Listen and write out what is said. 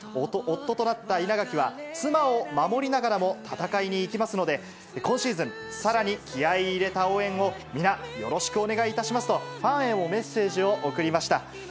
夫となった稲垣は、妻を守りながらも戦いに行きますので、今シーズン、さらに気合い入れた応援を皆、よろしくお願いいたしますと、ファンへのメッセージを送りました。